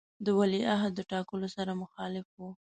د ولیعهد د ټاکلو سره مخالف وو.